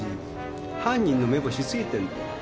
犯人の目星付いてんだよ。